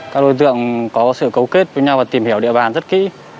các đối tượng có sự cấu kết với nhau và tìm hiểu địa bàn rất kỹ